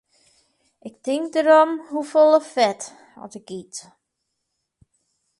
Ik tink derom hoefolle fet as ik yt.